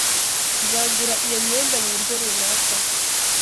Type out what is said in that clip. Nzagura iyo myenda muburyo runaka.